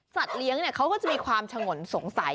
เลี้ยงเขาก็จะมีความฉงนสงสัย